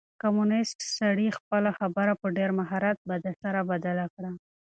کمونيسټ سړي خپله خبره په ډېر مهارت سره بدله کړه.